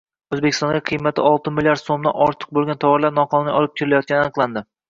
O‘zbekistonga qiymatito´qqizmlrd so‘mdan ortiq bo‘lgan tovarlar noqonuniy olib kirilayotgani aniqlandi